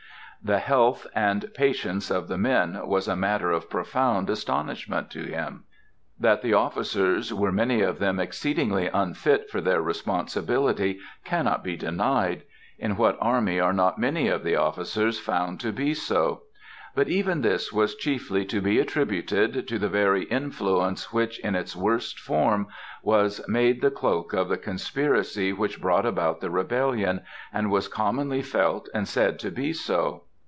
The health and patience of the men was a matter of profound astonishment to him. That the officers were many of them exceedingly unfit for their responsibility cannot be denied. In what army are not many of the officers found to be so? But even this was chiefly to be attributed to the very influence which, in its worst form, was made the cloak of the conspiracy which brought about the rebellion, and was commonly felt and said to be so.